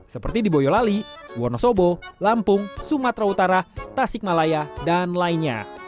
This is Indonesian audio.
seperti di boyolali wonosobo lampung sumatera utara tasik malaya dan lainnya